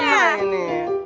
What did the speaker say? dapet bocoran ya